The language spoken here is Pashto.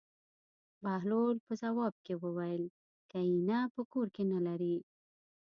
بهلول په ځواب کې وویل: که اېنه په کور کې نه لرې.